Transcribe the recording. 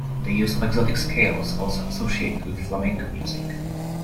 The use of exotic scales also associated with flamenco music.